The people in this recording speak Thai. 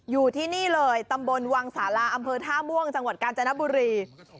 อยู่ที่นี่เลยตำบลวังสาลาอำเภอท่าม่วงจังหวัดกาญจนบุรี